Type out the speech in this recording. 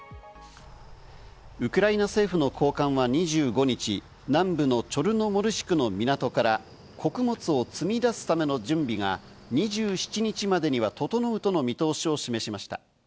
ウクライナ政府の高官は２５日、南部のチョルノモルシクの港から穀物を積み出すための準備が２７日までには整うとの見通しを示しました。